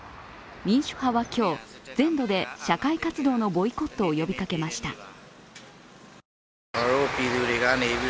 民主派は今日、全土で社会活動のボイコットを呼びかけました。